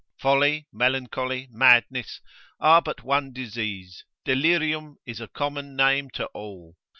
Folly, melancholy, madness, are but one disease, Delirium is a common name to all.